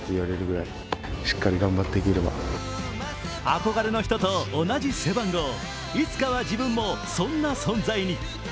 憧れの人と同じ背番号、いつかは自分もそんな存在に。